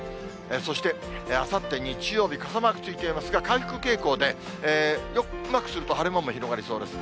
そして、あさって日曜日、傘マークついていますが、回復傾向で、うまくすると晴れ間も広がりそうです。